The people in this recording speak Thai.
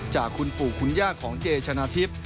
จากคุณปู่คุณย่าของเจชนะทิพย์